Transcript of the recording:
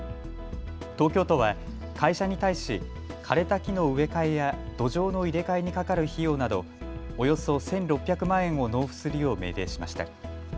東京都は会社に対し枯れた木の植え替えや土壌の入れ替えにかかる費用などおよそ１６００万円を納付するよう命令しました。